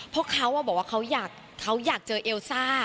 เพราะเขาบอกว่าเขาอยากเจอเอลซ่า